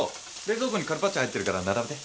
冷蔵庫にカルパッチョ入ってるから並べて。